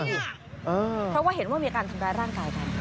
เพราะว่าเห็นว่ามีการทำร้ายร่างกายกัน